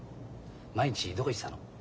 毎日どこ行ってたの？